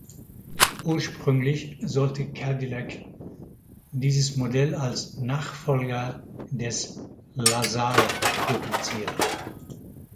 Ursprünglich sollte Cadillac dieses Modell als Nachfolger des "La Salle" produzieren.